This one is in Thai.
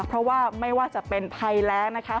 เพราะว่าไม่ว่าจะเป็นไพแล้ง